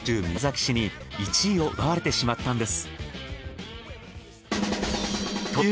宮崎市に１位を奪われてしまったんです。